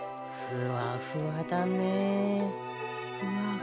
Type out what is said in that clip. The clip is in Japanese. ふわふわですね。